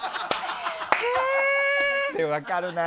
分かるな。